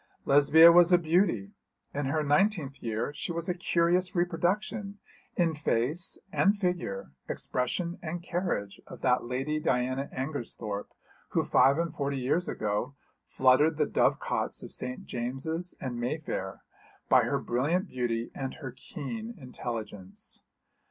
Lesbia was a beauty. In her nineteenth year she was a curious reproduction in face and figure, expression and carriage, of that Lady Diana Angersthorpe who five and forty years ago fluttered the dove cots of St. James's and Mayfair by her brilliant beauty and her keen intelligence.